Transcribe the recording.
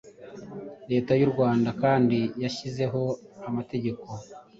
Leta y’u Rwanda kandi yashyizeho amategeko